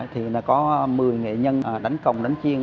thì là có một mươi nghệ nhân đánh công đánh chiên